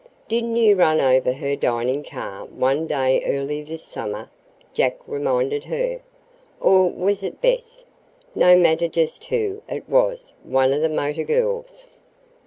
"Didn't you run over her dining car one day early this summer?" Jack reminded her. "Or was it Bess? No matter just who, it was one of the motor girls.